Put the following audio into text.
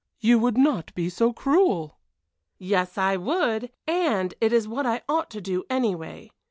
"You would not be so cruel!" "Yes I would. And it is what I ought to do, anyway.